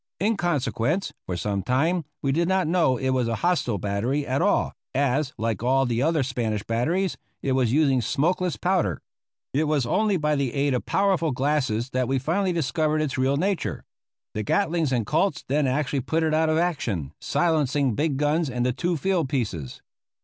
In consequence, for some time, we did not know it was a hostile battery at all, as, like all the other Spanish batteries, it was using smokeless powder. It was only by the aid of powerful glasses that we finally discovered its real nature. The Gatlings and Colts then actually put it out of action, silencing the big guns and the two field pieces.